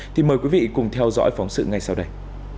thì mời quý vị cùng theo dõi phóng sự ngay sau đây